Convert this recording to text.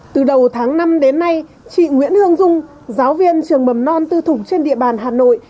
từ đầu tháng năm đến nay chị nguyễn hương dung giáo viên trường mầm non tư thủng trên địa bàn hà nội